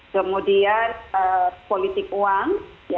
kemudian politik uang